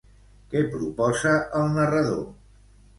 Què proposa el narrador?